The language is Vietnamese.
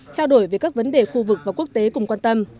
trao đổi về các vấn đề khu vực và quốc tế cùng quan tâm